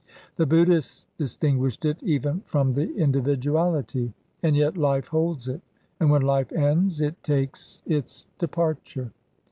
The Buddhists distinguished it even from the individuality. And yet life holds it, and when life ends it takes its departure.